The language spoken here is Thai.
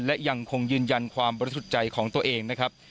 และยังคงยืนยันความบริสุทธิ์ใจของตัวเองนะครับ